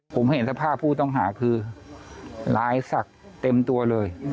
ผมเห็นสภาพผู้ต้องหาคือลายศักดิ์เต็มตัวเลย